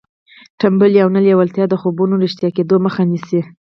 تنبلي او نه لېوالتیا د خوبونو د رښتیا کېدو مخه نیسي